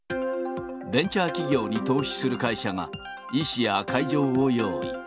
ベンチャー企業に投資する会社が、医師や会場を用意。